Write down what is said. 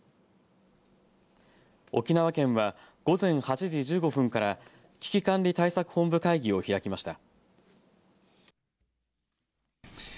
沖縄県は午前８時１５分から危機管理対策本部会議を開きました。